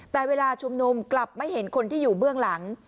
แต่เวลาชุมนุมกลับไม่เห็นคนที่อยู่เบื้องหลัง